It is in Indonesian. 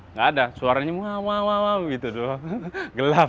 nggak ada suaranya gitu doang gelap